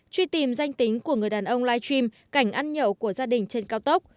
truy tìm danh tính của người đàn ông live stream cảnh ăn nhậu của gia đình trên cao tốc